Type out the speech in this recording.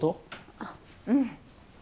あっうん。